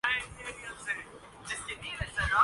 تو انہوں نے الگ الگ اپنی جماعتیں کیوں بنائی ہیں؟